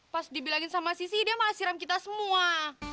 pas dibilangin sama sisi dia malah siram kita semua